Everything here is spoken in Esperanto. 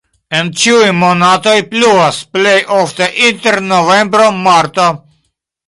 En ĉiuj monatoj pluvas, plej ofte inter novembro-marto.